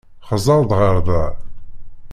Xẓer-d ɣer da.